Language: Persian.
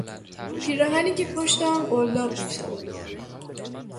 پیراهنی که پشت آن قلاب میشود